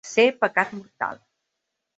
Ser pecat mortal.